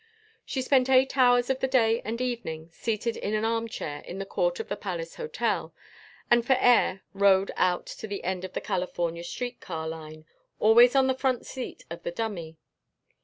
She spent eight hours of the day and evening seated in an arm chair in the court of the Palace Hotel, and for air rode out to the end of the California Street car line, always on the front seat of the dummy.